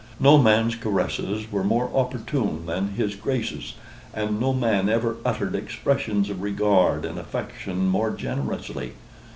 No man's caresses were more opportune than his Grace's, and no man ever uttered expressions of regard and affection more generously.